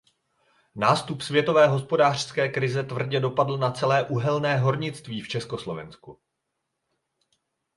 Nástup světové hospodářské krize tvrdě dopadl na celé uhelné hornictví v Československu.